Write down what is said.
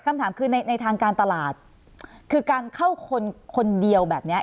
คำถามคือในในทางการตลาดคือการเข้าคนคนเดียวแบบเนี้ย